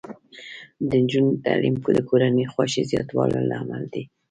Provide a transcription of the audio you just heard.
د نجونو تعلیم د کورنۍ خوښۍ زیاتولو لامل دی.